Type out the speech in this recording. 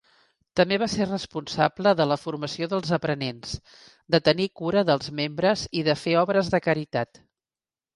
També va ser responsable de la formació dels aprenents, de tenir cura dels membres i de fer obres de caritat.